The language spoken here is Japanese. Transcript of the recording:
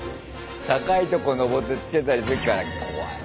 高いとこのぼってつけたりするから怖い。